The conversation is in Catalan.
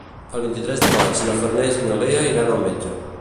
El vint-i-tres de maig na Farners i na Lea iran al metge.